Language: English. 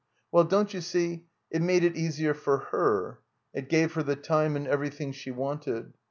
''Well, don't you see — it made it easier for her. It gave her the time and everything she wanted.